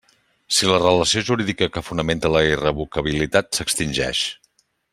Si la relació jurídica que fonamenta la irrevocabilitat s'extingeix.